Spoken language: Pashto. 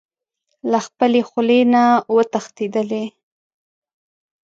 له خپلې خولې نه و تښتېدلی.